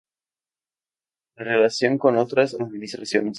En relación con otras Administraciones.